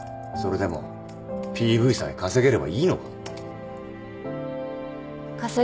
それでもＰＶさえ稼げればいいのか？